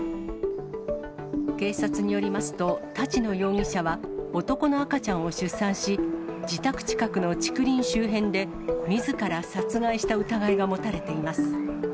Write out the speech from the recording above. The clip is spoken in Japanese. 警察によりますと、立野容疑者は男の赤ちゃんを出産し、自宅近くの竹林周辺で、みずから殺害した疑いが持たれています。